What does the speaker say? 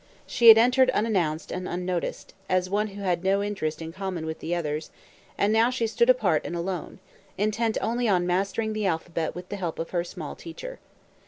She had entered unannounced and unnoticed, as one who had no interest in common with the others; and now she stood apart and alone, intent only on mastering the alphabet with the help of her small teacher.